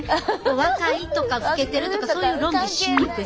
若いとか老けてるとかそういう論議しにくい。